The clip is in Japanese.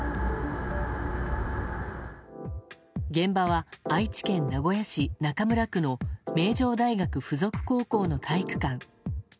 現場は愛知県名古屋市中村区の名城大学附属高校の体育館。